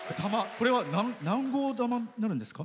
これは、何号玉になるんですか？